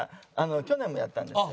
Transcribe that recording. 去年もやったんですよ。